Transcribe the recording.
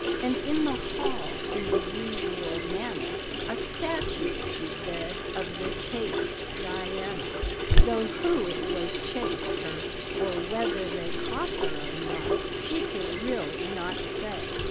And in the hall, in the usual manner, "A statue," she said, "of the chased Diana; Though who it was chased her, or whether they Caught her or not, she could, really, not say."